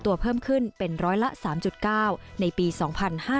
ตัวเพิ่มขึ้นเป็นร้อยละสามจุดเก้าในปีสองพันห้า